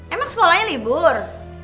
emang sekolahnya libur